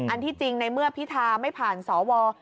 อันที่จริงในเมื่อพิธาไม่ผ่านสว